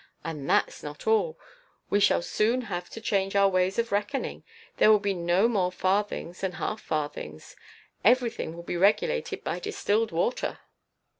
And that's not all; we shall soon have to change our ways of reckoning. There will be no more farthings and half farthings, everything will be regulated by distilled water."